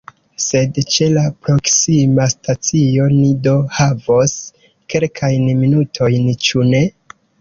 Sed ĉe la proksima stacio ni do havos kelkajn minutojn, ĉu ne?